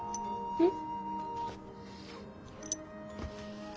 うん。